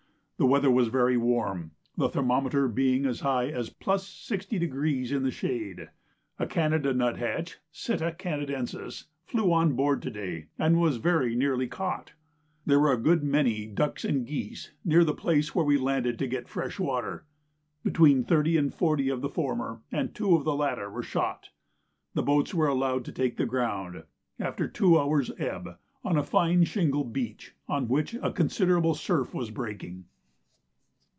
The weather was very warm, the thermometer being as high as +60° in the shade. A Canada nuthatch (sitta Canadensis) flew on board to day, and was very nearly caught. There were a good many ducks and geese near the place where we landed to get fresh water. Between thirty and forty of the former and two of the latter were shot. The boats were allowed to take the ground, after two hours' ebb, on a fine shingle beach, on which a considerable surf was breaking.